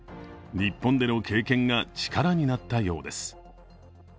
日本での経験が力になったようです。